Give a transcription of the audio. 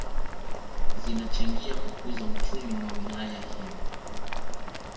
Zinachangia kukuza uchumi wa wilaya hiyo